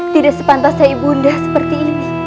tidak sepantasai ibu nda seperti ini